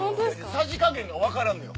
さじ加減が分からんのよ。